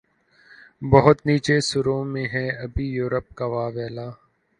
بہت نیچے سروں میں ہے ابھی یورپ کا واویلا